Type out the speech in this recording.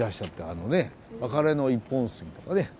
あのね「別れの一本杉」とかね。